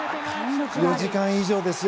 ４時間以上ですよ。